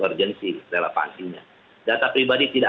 urgensi relevansinya data pribadi tidak